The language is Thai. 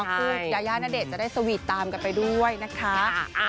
คือยาย่าณเดชน์จะได้สวีทตามกันไปด้วยนะคะ